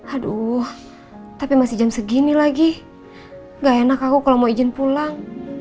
aduh tapi masih jam segini lagi gak enak aku kalau mau izin pulang